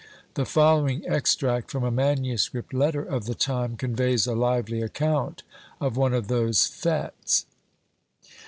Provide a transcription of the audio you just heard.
The following extract from a manuscript letter of the time conveys a lively account of one of those _fÃẂtes.